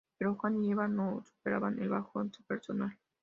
Pero Juan y Eva no superaban el bajón personal.